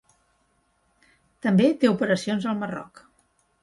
També té operacions al Marroc.